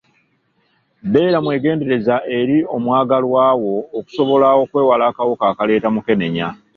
Beera mwegendereza eri omwagalwa wo okusobola okwewala akawuka akaleeta mukenenya.